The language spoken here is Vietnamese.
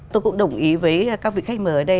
tôi cũng đồng ý với các vị khách mời ở đây